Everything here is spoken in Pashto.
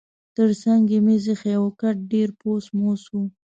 ترڅنګ یې مېز اییښی و، کټ ډېر پوس موس و.